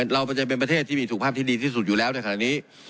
เราจะเป็นประเทศที่มีสุขภาพที่ดีที่สุดอยู่แล้วในขณะนี้